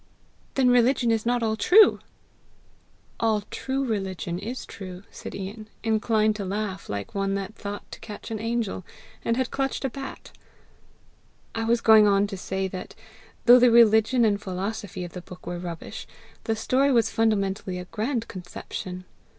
"Then religion is not all true!" "All true religion is true," said Ian, inclined to laugh like one that thought to catch an angel, and had clutched a bat! "I was going on to say that, though the religion and philosophy of the book were rubbish, the story was fundamentally a grand conception.